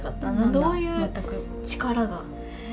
どういう力が。